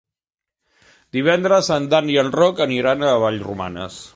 Divendres en Dan i en Roc iran a Vallromanes.